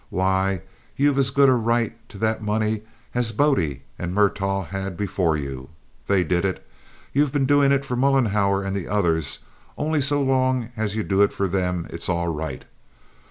Why, you've as good a right to loan that money as Bode and Murtagh had before you. They did it. You've been doing it for Mollenhauer and the others, only so long as you do it for them it's all right.